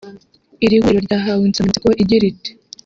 Iri huriro ryahawe insanganyamatsiko igira iti